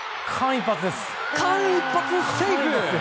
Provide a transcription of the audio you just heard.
間一髪セーフ！